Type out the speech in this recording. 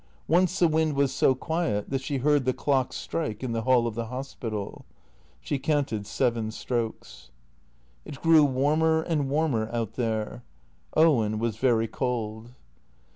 Once the wind was so quiet that she heard the clock strike in the hall of the hospital. She counted seven strokes. It grew warmer and warmer out there. Owen was very cold.